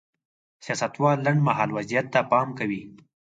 سیاستوال لنډ مهال وضعیت ته پام کوي.